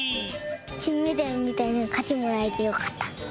きんメダルみたいなかちもらえてよかった。